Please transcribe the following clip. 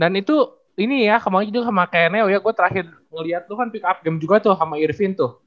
dan itu ini ya kemaren juga sama kaya neo ya gue terakhir ngeliat lu kan pick up game juga tuh sama irvin tuh